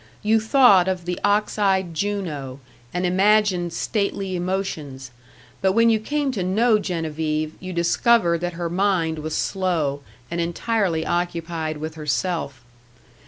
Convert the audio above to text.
You thought of the ox eyed Juno, and imagined stately emotions; but when you came to know Genevieve, you discovered that her mind was slow, and entirely occupied with herself.